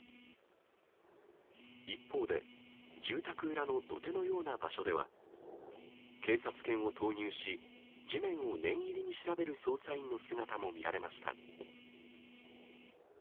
一方で、住宅裏の土手のような場所では、警察犬を投入し、地面を念入りに調べる捜査員の姿も見られました。